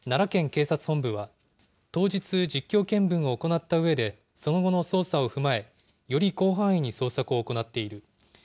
警察本部は、当日、実況見分を行ったうえで、その後の捜査を踏まえ、より広範囲に捜索を行っている。